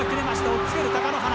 押っつける貴乃花。